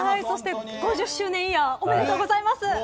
そして５０周年イヤーおめでとうございます。